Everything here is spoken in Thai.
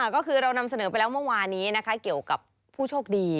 ก็คือเรานำเสนอไปแล้วเมื่อวานี้นะคะเกี่ยวกับผู้โชคดี